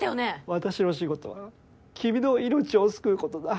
私の仕事は君の命を救うことだ。